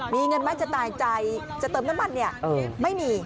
มีเงินไหมจะตายใจจะเติมน้ำมันเนี่ยไม่มี